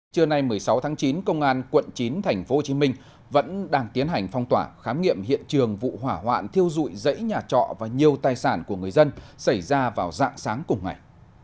trưa nay một mươi sáu tháng chín công an quận chín tp hcm vẫn đang tiến hành phong tỏa khám nghiệm hiện trường vụ hỏa hoạn thiêu dụi dãy nhà trọ và nhiều tài sản của người dân xảy ra vào dạng sáng cùng ngày